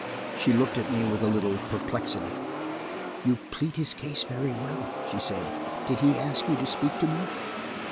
She looked at me with a little perplexity. "You plead his case very well," she said. "Did he ask you to speak to me?"